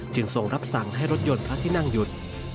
ทรงรับสั่งให้รถยนต์พระที่นั่งหยุด